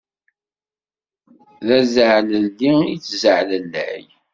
D azaɛlelli i yettzaɛlellay.